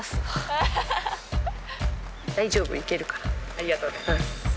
ありがとうございます。